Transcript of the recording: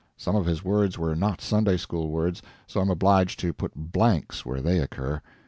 Some of his words were not Sunday school words, so I am obliged to put blanks where they occur.